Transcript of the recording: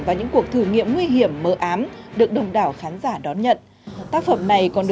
và những cuộc thử nghiệm nguy hiểm mỡ ám được đồng đảo khán giả đón nhận